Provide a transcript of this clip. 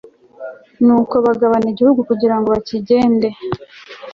nuko bagabana igihugu kugira ngo bakigende